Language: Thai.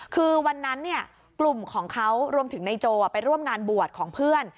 คือวันนั้นกลุ่มของเขารวมถึงนายโจไปร่วมงานบวชของเพื่อน